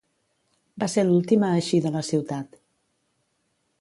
Va ser l'últim a eixir de la ciutat.